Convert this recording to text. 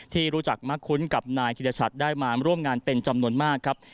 ที่รู้จักมักคุ้นกับนายธิรชัดได้มาร่วมงานเป็นจำนวนมากครับ